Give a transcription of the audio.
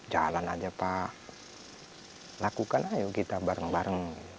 jalan aja pak lakukan ayo kita bareng bareng